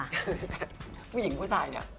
ผู้หญิงผู้สายละ